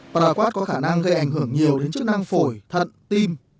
plat có khả năng gây ảnh hưởng nhiều đến chức năng phổi thận tim